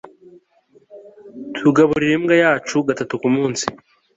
tugaburira imbwa yacu gatatu kumunsi